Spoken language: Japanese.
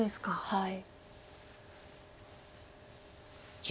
はい。